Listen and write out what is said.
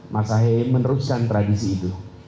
masahe meneruskan tradisi itu